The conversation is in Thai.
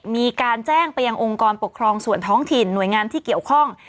มีการแจ้งไปยังองค์กรปกครองส่วนท้องถิ่นหน่วยงานที่เกี่ยวข้อง